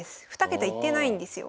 ２桁いってないんですよ。